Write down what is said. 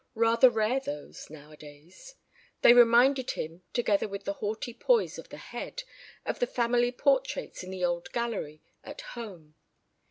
Rather rare those, nowadays. They reminded him, together with the haughty poise of the head, of the family portraits in the old gallery at home.